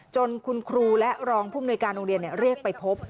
จนคุณครูและรองผู้มนุยการโรงเรียนเรียกไปพบ